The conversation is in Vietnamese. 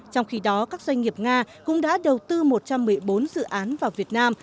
trong khi đó các doanh nghiệp nga cũng đã đầu tư một trăm một mươi bốn dự án vào việt nam